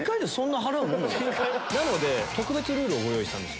なので特別ルールをご用意したんです。